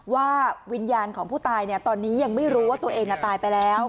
วิญญาณของผู้ตายตอนนี้ยังไม่รู้ว่าตัวเองตายไปแล้ว